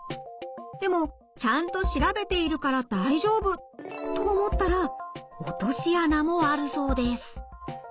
でもちゃんと調べているから大丈夫と思ったら落とし穴もあるそうです。